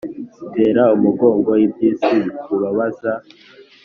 Tera umugongo iby'isi bikubabaza